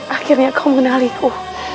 akhirnya kau mengenaliku